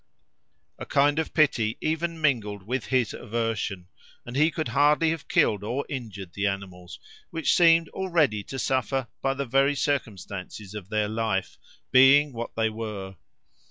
A kind of pity even mingled with his aversion, and he could hardly have killed or injured the animals, which seemed already to suffer by the very circumstance of their life, being what they were.